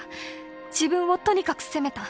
自分をとにかく責めた。